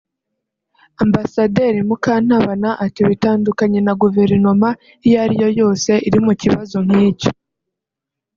Ambasaderi Mukantabana ati “Bitandukanye na guverinoma iyo ariyo yose iri mu kibazo nk’icyo